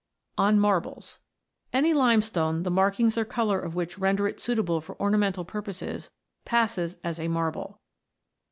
ON MARBLES Any limestone the markings or colour of which render it suitable for ornamental purposes passes as a Marble.